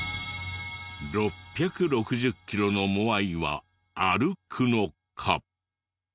６６０キロのモアイは歩くのか？